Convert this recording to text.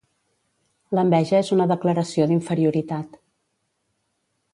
L'enveja és una declaració d'inferioritat.